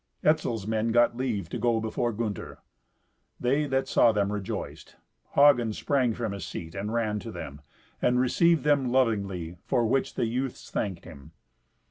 Etzel's men got leave to go before Gunther. They that saw them rejoiced. Hagen sprang from his seat and ran to them, and received them lovingly, for which the youths thanked him.